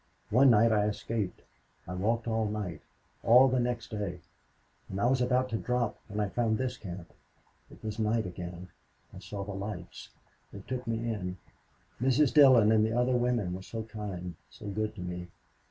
One night I escaped. I walked all that night all the next day. And I was about ready to drop when I found this camp. It was night again. I saw the lights. They took me in. Mrs. Dillon and the other women were so kind, so good to me.